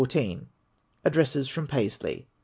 ADDRESSKS FROM PAISLEY.